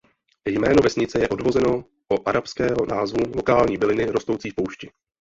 Jméno vesnice je odvozeno o arabského názvu lokální byliny rostoucí v poušti.